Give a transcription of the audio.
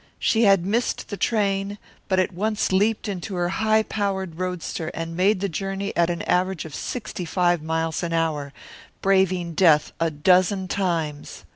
She had missed the train, but had at once leaped into her high powered roadster and made the journey at an average of sixty five miles an hour, braving death a dozen times.